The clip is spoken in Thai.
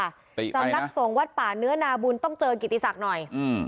สำนักสงฆ์วัดป่าเนื้อนาบุญต้องเจอกิติศักดิ์หน่อยอืม